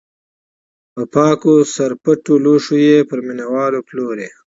په پاکو سرپټو لوښیو یې پر مینه والو پلورل.